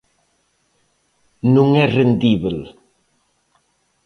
Non é rendíbel.